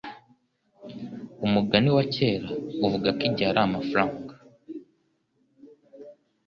Umugani wa kera uvuga ko igihe ari amafaranga.